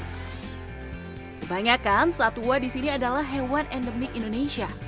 kebanyakan satwa di sini adalah hewan endemik indonesia